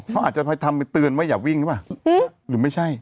เขาอาจจะไปทำไปเตือนว่าอย่าวิ่งหรือเปล่าหรือไม่ใช่